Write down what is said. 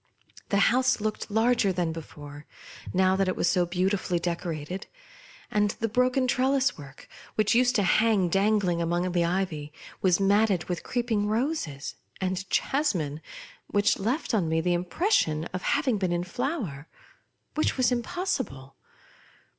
The house looked larger than before, now that it was so beautifully decorated ; and the broken trellis work, which used to hang danghng among the ivy, was matted with creeping ro ses, and jasmine, which left on me the im pression of having been in tlower, which was impossible.